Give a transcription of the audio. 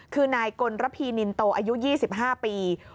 คือนายกลระพีนินโตอายุ๒๕ปี